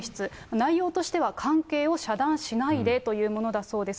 内容としては関係を遮断しないでというものだそうです。